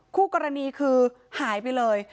คู่กรณีคือหายไปเลย